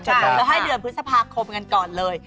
แล้วให้เดือนพฤษภาคมกันก่อนเลย